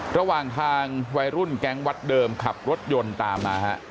ระหว่างทางวัยรุ่นแก๊งวัดเดิมขับรถยนต์ตามมาฮะ